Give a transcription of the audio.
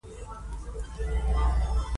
دروازه یې پرانیستل، مهرباني وکړئ، ښکلې کوټه ده.